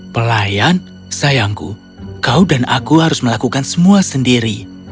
pelayan sayangku kau dan aku harus melakukan semua sendiri